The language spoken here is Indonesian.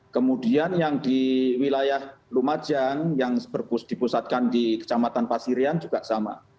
kemudian yang di wilayah lumajang yang dipusatkan di kecamatan pasirian juga sama